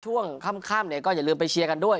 ช่วงค่ำเนี่ยก็อย่าลืมไปเชียร์กันด้วย